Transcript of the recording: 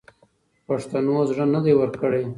پښتنو زړه نه دی ورکړی.